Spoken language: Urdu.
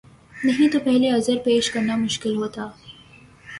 نہیں تو پہلے عذر پیش کرنا مشکل ہوتا۔